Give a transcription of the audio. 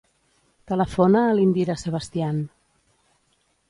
Telefona a l'Indira Sebastian.